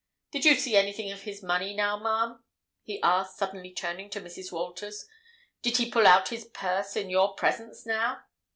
Did you see anything of his money, now, ma'am?" he asked, suddenly turning to Mrs. Walters. "Did he pull out his purse in your presence, now?"